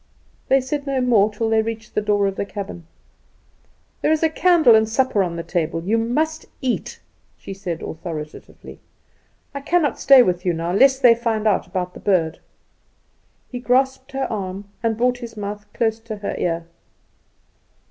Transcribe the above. They said no more till they reached the door of the cabin. "There is a candle and supper on the table. You must eat," she said authoritatively. "I cannot stay with you now, lest they find out about the bird." He grasped her arm and brought his mouth close to her ear.